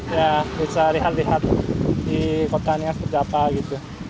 ya bisa lihat lihat di kotanya seperti apa gitu